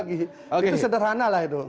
itu sederhana lah itu